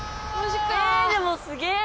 でもすげえ！